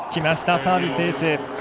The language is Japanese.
サービスエース！